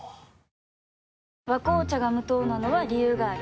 「和紅茶」が無糖なのは、理由があるんよ。